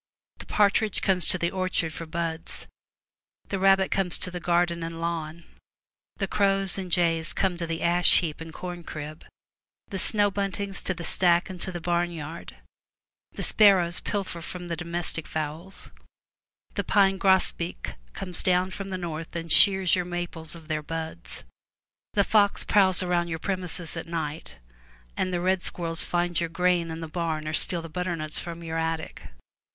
The partridge comes to the orchard for buds; the rabbit comes to the garden and lawn; the crows and jays come to the ash heap and corn crib, the snow buntings to the stack and to the barn yard; the sparrows pilfer from the domestic fowls; the pine grosbeak comes down from the north and shears your maples of their buds; the fox prowls about your premises at night, and the red squirrels find your grain in the barn or steal the butternuts from your attic.